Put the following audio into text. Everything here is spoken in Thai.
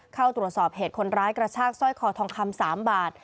เข้าตรวจสอบเหตุคนร้ายกระชากสร้อยคอทองคำ๓บาท